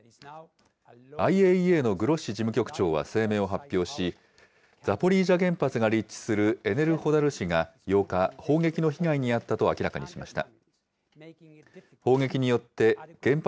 ＩＡＥＡのグロッシ事務局長は声明を発表し、ザポリージャ原発が立地するエネルホダル市が８日、砲撃の被害にあったと明らかにしました。